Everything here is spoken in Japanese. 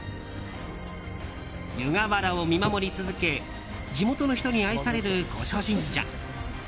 湯河原を見守り続け地元の人に愛される五所神社。